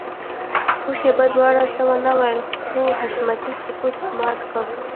څه شېبه دواړو څه ونه ويل خو حشمتي سکوت مات کړ.